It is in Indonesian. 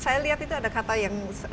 saya lihat itu ada kata yang